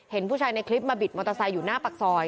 เห็นผู้ชายในคลิปมาบิดมอเตอร์ไซค์อยู่หน้าปากซอย